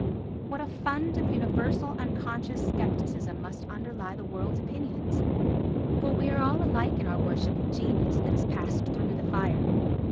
What a fund of universal unconscious scepticism must underlie the world's opinions! For we are all alike in our worship of genius that has passed through the fire.